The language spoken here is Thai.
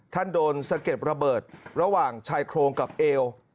โดนสะเก็ดระเบิดระหว่างชายโครงกับเอว